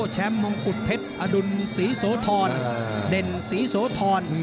แชมป์มงกุฎเพชรอดุลศรีโสธรเด่นศรีโสธร